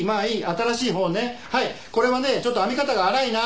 新しいほうねはいこれはねちょっと編み方が粗いな。